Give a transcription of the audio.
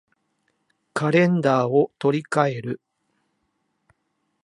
カレンダーを取り換える